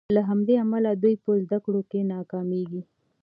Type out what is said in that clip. له همدې امله دوی په زدکړو کې ناکامیږي.